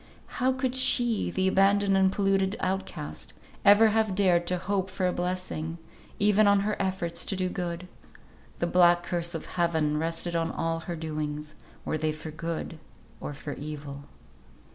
How could she, the abandoned and polluted outcast, ever have dared to hope for a blessing, even on her efforts to do good? The black curse of Heaven rested on all her doings, were they for good or for evil.